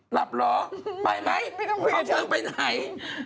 หลับหรอไปไหมเขาเถอะไปไหน